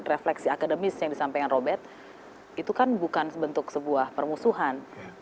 refleksi akademis yang disampaikan robert itu kan bukan bentuk sebuah permusuhan